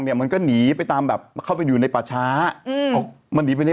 กินนี่ถ้ากลัวมาถ่ายเรื่องจริง